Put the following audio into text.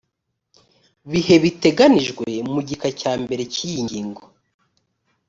bihe biteganijwe mu gika cyambere cy iyi ngingo